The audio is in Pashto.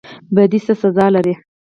بدی څه سزا لري؟